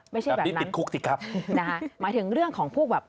ไม่ใช่แบบนั้นหมายถึงเรื่องของพวกแบบ